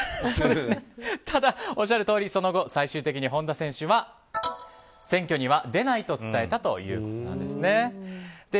ただ、おっしゃるとおりその後、最終的に本田選手は選挙には出ないと伝えたということです。